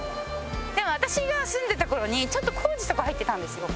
でも私が住んでた頃にちょっと工事とか入ってたんですよ。